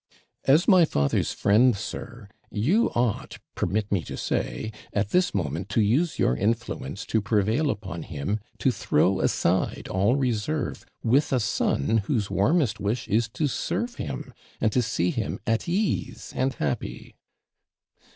'As my father's friend, sir, you ought, permit me to say, at this moment to use your influence to prevail upon him to throw aside all reserve with a son, whose warmest wish is to serve him, and to see him at ease and happy.'